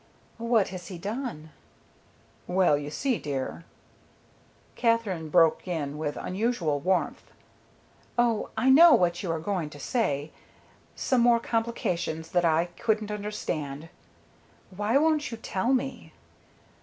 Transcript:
"What has he done?" "Well, you see, dear " Katherine broke in with unusual warmth. "Oh, I know what you are going to say. Some more complications that I couldn't understand. Why won't you tell me?"